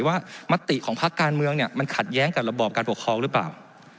มติของพักการเมืองเนี่ยมันขัดแย้งกับระบอบการปกครองหรือเปล่า